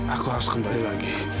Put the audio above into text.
aku harus kembali lagi